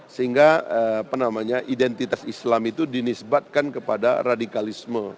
sehingga apa namanya identitas islam itu dinisbatkan kepada radikalisme